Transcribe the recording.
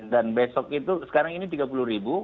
dan besok itu sekarang ini tiga puluh ribu